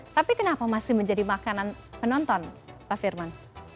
tapi kenapa masih menjadi makanan penonton pak firman